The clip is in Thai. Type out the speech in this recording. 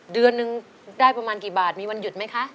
เดือนนึงได้ประมาณกี่บาทมีวันหยุดไหมคะ